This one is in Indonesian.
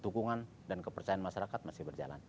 dukungan dan kepercayaan masyarakat masih berjalan